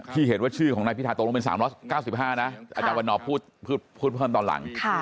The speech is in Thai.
ที่เห็นว่าชื่อของนายพิธาตกลงเป็นสามร้อยเก้าสิบห้านะค่ะอาจารย์วันนอบพูดพูดพูดเพิ่มตอนหลังค่ะ